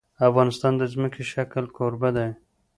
افغانستان د ځمکنی شکل کوربه دی.